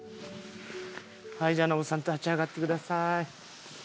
はいじゃあノブさん立ち上がってください。